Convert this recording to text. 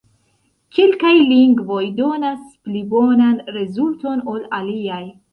Kelkaj lingvoj donas pli bonan rezulton ol aliaj.